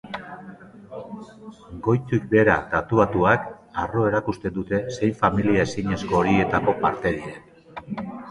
Goitik behera tatuatuak, harro erakusten dute zein familia ezinezko horietako parte diren.